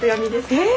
えっ！